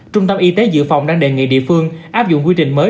trung tâm y tế dự phòng đang đề nghị địa phương áp dụng quy trình mới